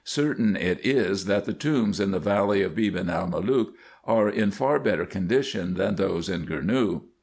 Certain it is, that the tombs in the valley of Beban el Malook are in far better condition than those in Gournou.